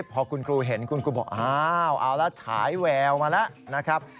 พอคุณกลูเห็นคุณกลูบอกอ้าวเอาใช้แ๒๐๐๐มาแล้วนะครับ